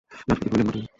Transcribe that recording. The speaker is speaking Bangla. রঘুপতি কহিলেন বটে!